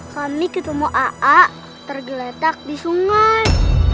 kami ketemu a'a tergeletak di sungai